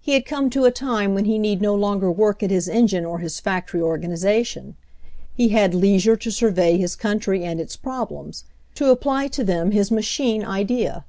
He had come to a time when he need no longer work at his engine or his factory or ganization. He had leisure to survey his country and its problems, to apply to them his machine idea.